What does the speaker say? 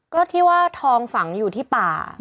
ก็ที่ว่าทองฝังอยู่ที่ป่า